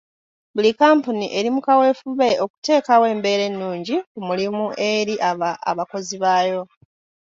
Buli Kampuni eri mu kawefube okuteekawo embeera ennungi ku mulimu eri abakozi baayo.